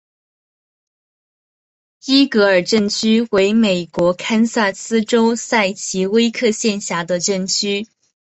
伊格尔镇区为美国堪萨斯州塞奇威克县辖下的镇区。